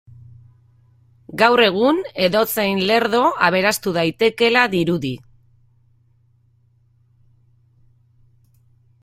Gaur egun edozein lerdo aberastu daitekeela dirudi.